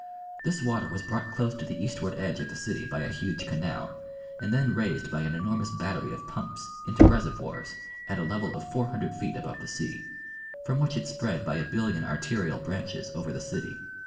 This water was brought close to the eastward edge of the city by a huge canal, and then raised by an enormous battery of pumps into reservoirs at a level of four hundred feet above the sea, from which it spread by a billion arterial branches over the city.